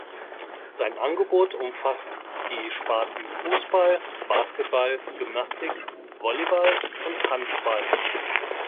Sein Angebot umfasst die Sparten Fußball, Basketball, Gymnastik, Volleyball und Handball.